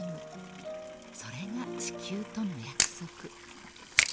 ［それが地球との約束］